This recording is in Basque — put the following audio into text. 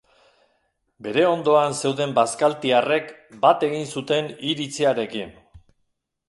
Bere ondoan zeuden bazkaltiarrek bat egin zuten iritzi harekin.